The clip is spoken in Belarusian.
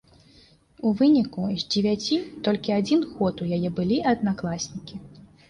У выніку з дзевяці толькі адзін год у яе былі аднакласнікі.